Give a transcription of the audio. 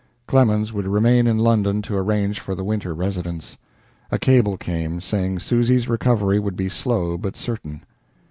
Clemens would remain in London to arrange for the winter residence. A cable came, saying Susy's recovery would be slow but certain.